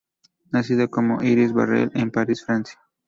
Nacida como Iris Barrel en París, Francia.